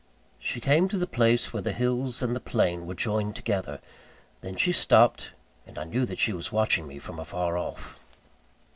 She came to the place where the hills and the plain were joined together. Then she stopped, and I knew that she was watching me from afar off.